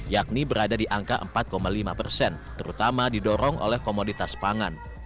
yakni berada di angka empat lima terutama didorong oleh komoditas pangan